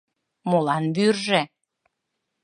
Молан вӱржӧ?